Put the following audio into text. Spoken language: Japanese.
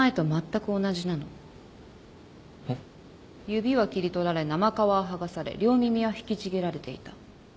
指は切り取られ生皮は剥がされ両耳は引きちぎられていた。